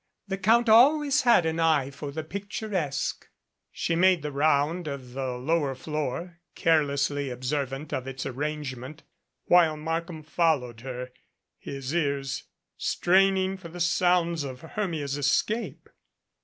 The Count always had an eye for the picturesque." She made the round of the lower floor, carelessly ob servant of its arrangement, while Markham followed her, his ears straining for the sounds of Hermia's escape.